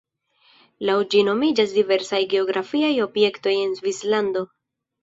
Laŭ ĝi nomiĝas diversaj geografiaj objektoj en Svislando.